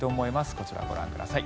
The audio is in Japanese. こちら、ご覧ください。